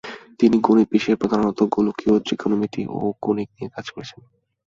তিনি গণিত বিষয়ে প্রধানত গোলকীয় ত্রিকোণমিতি ও কনিক নিয়ে কাজ করেছেন।